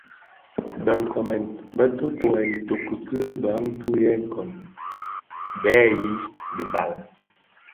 Bë nkoomèn bë tōtōghèn itoki ki bantu yè nkun, bë yii dyaba,